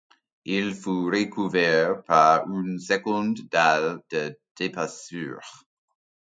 Il fut recouvert par une seconde dalle de d'épaisseur.